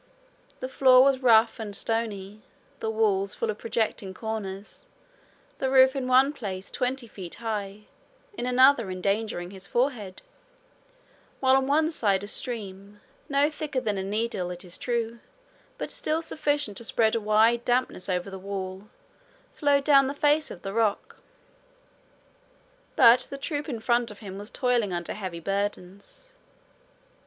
The floor was rough and stony; the walls full of projecting corners; the roof in one place twenty feet high, in another endangering his forehead; while on one side a stream, no thicker than a needle, it is true, but still sufficient to spread a wide dampness over the wall, flowed down the face of the rock. But the troop in front of him was toiling under heavy burdens.